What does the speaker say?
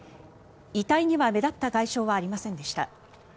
遺体には目立った外傷はありませんでした。